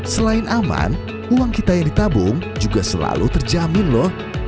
selain aman uang kita yang ditabung juga selalu terjamin loh